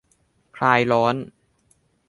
คลายร้อน